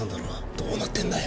どうなってんだよ。